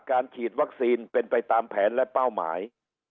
การฉีดวัคซีนเป็นไปตามแผนและเป้าหมาย